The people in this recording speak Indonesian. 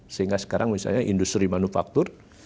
sehingga sekarang misalnya industri manufaktur